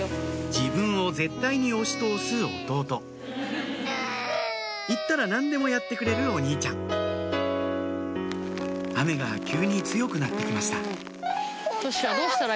自分を絶対に押し通す弟言ったら何でもやってくれるお兄ちゃん雨が急に強くなって来ました